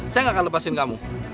saya gak akan lepasin kamu